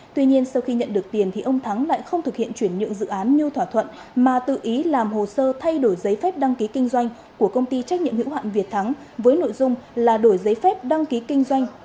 tuy nhiên sau khi nhận được tiền thì ông thắng lại không thực hiện chuyển nhượng dự án như thỏa thuận mà tự ý làm hồ sơ thay đổi giấy phép đăng ký kinh doanh của công ty trách nhiệm hữu hạn việt thắng với nội dung là đổi giấy phép đăng ký kinh doanh